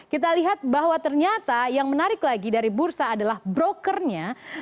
kita lihat bahwa ternyata yang menarik lagi dari bursa adalah brokernya